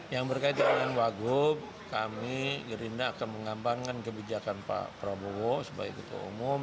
yang berkaitan dengan wagub kami gerinda akan mengambangkan kebijakan pak prabowo sebagai ketua umum